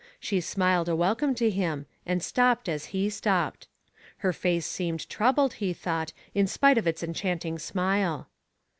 She smiled a welcome to him, and stopped as he stopped. Her face seemed troubled, he thought, in spite of its enchanting smile.